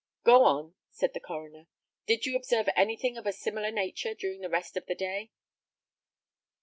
"Go on," said the coroner. "Did you observe anything of a similar nature during the rest of the day?"